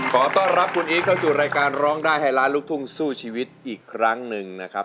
ขอต้อนรับคุณอีทเข้าสู่รายการร้องได้ให้ล้านลูกทุ่งสู้ชีวิตอีกครั้งหนึ่งนะครับ